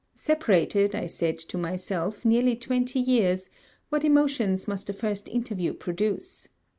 Separated, said I to myself, near twenty years, what emotions must a first interview produce!